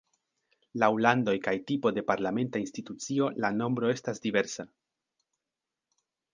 Laŭ landoj kaj tipo de parlamenta institucio la nombro estas diversa.